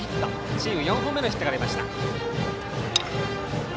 チーム４本目のヒットでした。